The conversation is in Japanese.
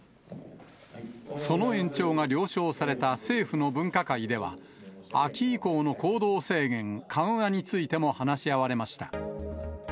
その延長が了承された政府の分科会では、秋以降の行動制限緩和についても話し合われました。